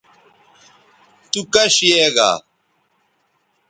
تو کش یے گا